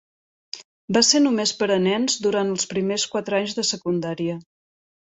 Va ser només per a nens durant els primers quatre anys de secundària.